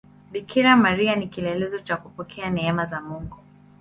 Bikira Maria ni kielelezo cha kupokea neema za Mungu.